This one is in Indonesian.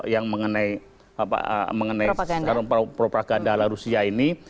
yang mengenai propaganda ala rusia ini